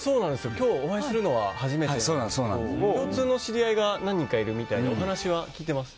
今日、お会いするのは初めてなんですけど共通の知り合いが何人かいるみたいでお話は聞いてます。